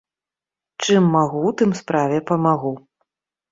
Чым магу, тым справе памагу.